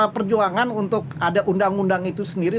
perjuangan untuk ada undang undang itu sendiri